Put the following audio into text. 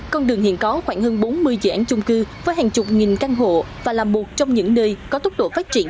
con đường hiện có khoảng hơn bốn mươi dự án chung cư với hàng chục nghìn căn hộ và là một trong những nơi có tốc độ phát triển